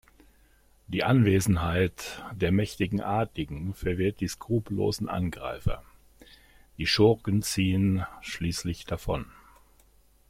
Die Anwesenheit der mächtigen Adligen, verwirrt die skrupellosen Angreifer; die Schurken ziehen schließlich davon.